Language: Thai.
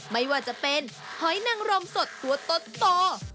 ไม่ว่าจะเป็นหอยนังรมสดตัวโต